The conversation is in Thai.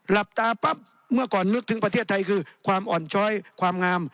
หลับตาปั๊บเมื่อก่อนนึกถึงประเทศไทยคือความอ่อนช้อยความงาม